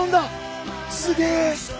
すげえ